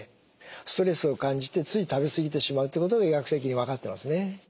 ストレスを感じてつい食べ過ぎてしまうということが医学的に分かってますね。